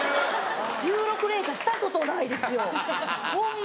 １６連射したことないですよホンマ